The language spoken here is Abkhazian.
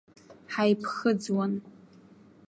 Ҳаиԥхыӡуан.